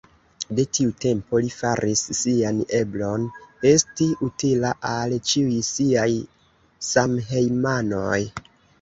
De tiu tempo li faris sian eblon esti utila al ĉiuj siaj samhejmanoj.